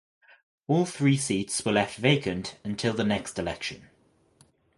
All three seats were left vacant until the next election.